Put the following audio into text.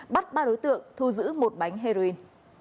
bắt ba đối tượng thu giữ một bánh heroin